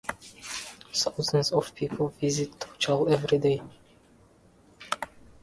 Thousands of people visit Tochal everyday.